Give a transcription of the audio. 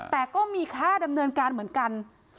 แต่ก็มีค่าดำเนินการเหมือนกัน